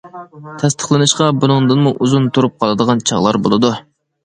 تەستىقلىنىشقا بۇنىڭدىنمۇ ئۇزۇن تۇرۇپ قالىدىغان چاغلار بولىدۇ.